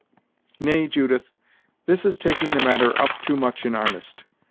"Nay, Judith, this is taking the matter up too much in 'arnest.